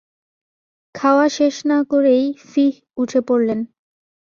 খাওয়া শেষ না করেই ফিহ উঠে পড়লেন।